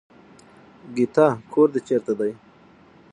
ګيتا کور دې چېرته دی.